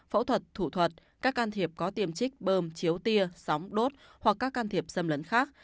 phẫu thuật thủ thuật các can thiệp có tiềm trích bơm chiếu tia sóng đốt hoặc các can thiệp xâm lấn khác